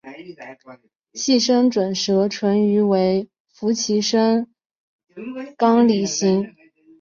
细身准舌唇鱼为辐鳍鱼纲鲤形目鲤科准舌唇鱼属的鱼类。